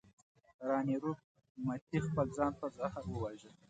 راني روپ متي خپل ځان په زهر وواژه.